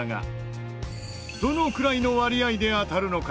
どのくらいの割合で当たるのか？